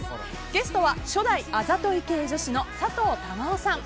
ゲストは初代あざとい系女子のさとう珠緒さん。